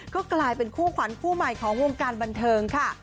ก็กลายเป็นคู่ขวัญคู่ใหม่ของวงการบันเทิงค่ะ